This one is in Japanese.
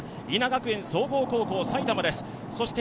伊奈学園総合高校、埼玉です。